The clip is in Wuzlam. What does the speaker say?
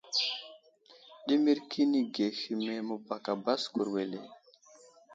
Ɗimirkinige hehme məbaka baskur wele.